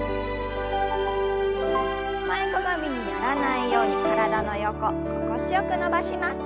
前かがみにならないように体の横心地よく伸ばします。